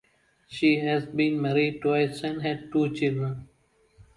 She has been married twice and had two children.